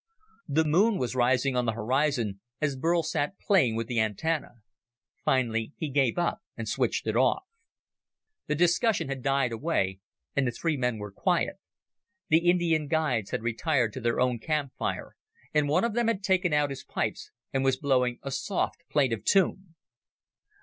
The Moon was rising on the horizon as Burl sat playing with the antenna. Finally he gave up and switched it off. The discussion had died away and the three men were quiet. The Indian guides had retired to their own campfire, and one of them had taken out his pipes and was blowing a soft, plaintive tune.